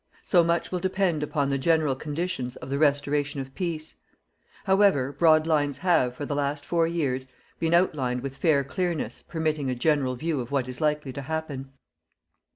So much will depend upon the general conditions of the restoration of peace. However, broad lines have, for the last four years, been outlined with fair clearness permitting a general view of what is likely to happen.